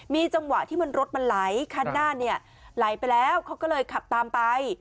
มีจังหวะที่มันรถมันไหลคันหน้าเนี่ยไหลไปแล้วเขาก็เลยขับตามไป